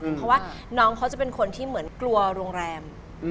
เพราะว่าน้องเขาจะเป็นคนที่เหมือนกลัวโรงแรม